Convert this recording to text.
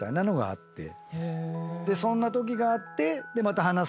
そんなときがあって。